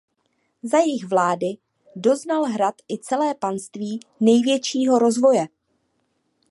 Za jejich vlády doznal hrad i celé panství největšího rozvoje.